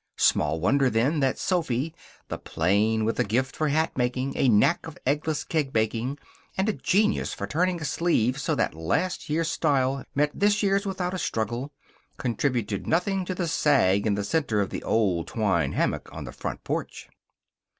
Small wonder, then, that Sophy, the plain, with a gift for hatmaking, a knack at eggless cake baking, and a genius for turning a sleeve so that last year's style met this year's without a struggle, contributed nothing to the sag in the center of the old twine hammock on the front porch.